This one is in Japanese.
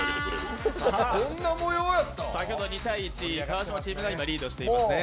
先ほど２−１、川島チームが今リードしていますね。